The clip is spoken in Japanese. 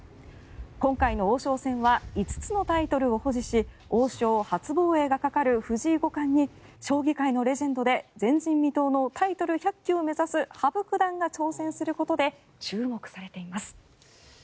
今回の王将戦は５つのタイトルを保持し王将初防衛がかかる藤井五冠に将棋界のレジェンドで前人未到のタイトル１００期を目指す羽生九段が挑戦することで注目されています。